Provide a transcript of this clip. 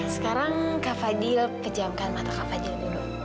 sekarang kak fadil pejamkan mata kak fadil dulu